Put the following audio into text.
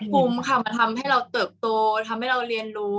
คุ้มค่ะคุ้มค่ะมันทำให้เราเติบโตทำให้เราเรียนรู้